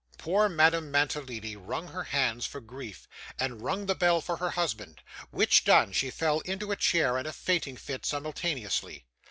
Poor Madame Mantalini wrung her hands for grief, and rung the bell for her husband; which done, she fell into a chair and a fainting fit, simultaneously.